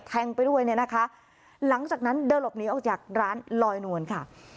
ไปด้วยเนี่ยนะคะหลังจากนั้นเดินหลบหนีออกจากร้านลอยนวลค่ะ